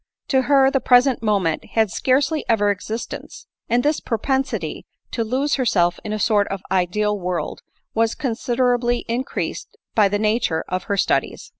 To her the present moment had scarcely evfer existence ; and this propensity to lose herself in a sort of ideal world, was considerably increased by the nature of her studies.